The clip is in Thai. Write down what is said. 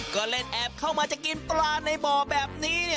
การแอย่งแอบเข้ามาเจอกินปลาในบ่อแบบนี้